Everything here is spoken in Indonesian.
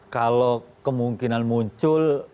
kalau kemungkinan muncul